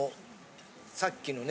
さっきのね